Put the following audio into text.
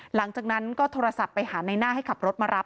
หลังจากนั้นก็โทรศัพท์ไปหาในหน้าให้ขับรถมารับ